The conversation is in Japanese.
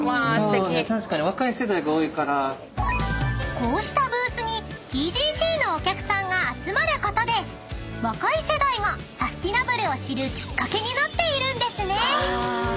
［こうしたブースにＴＧＣのお客さんが集まることで若い世代がサスティナブルを知るきっかけになっているんですね］